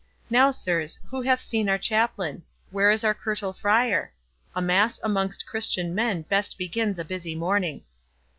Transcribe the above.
—Now, sirs, who hath seen our chaplain? where is our curtal Friar? A mass amongst Christian men best begins a busy morning."